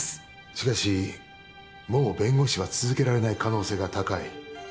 ・しかしもう弁護士は続けられない可能性が高い。